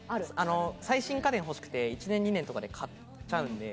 最新家電欲しくて１年２年とかで買っちゃうんで。